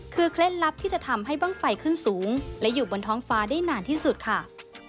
คือเคล็ดลับที่จะทำให้บ้างไฟขึ้นสูงและอยู่บนท้องฟ้าได้นานที่สุดค่ะ